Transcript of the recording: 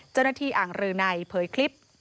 เจ้าหน้าที่อ่างรือไหนเผยคลิป